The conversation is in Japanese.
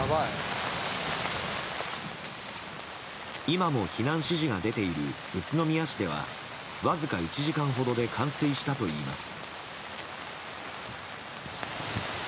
今も避難指示が出ている宇都宮市ではわずか１時間ほどで冠水したといいます。